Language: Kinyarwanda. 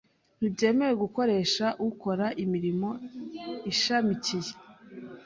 Ntibyemewe gukoresha ukora imirimo ishamikiye